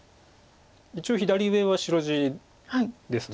一応左上は白地です。